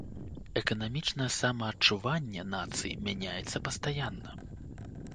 Эканамічнае самаадчуванне нацыі мяняецца пастаянна.